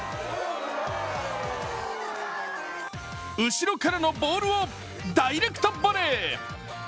後ろからのボールをダイレクトボレー。